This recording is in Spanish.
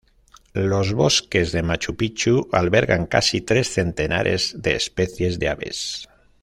Los bosques de Machu Picchu albergan casi tres centenares de especies de aves.